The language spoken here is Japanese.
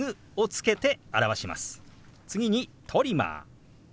次に「トリマー」。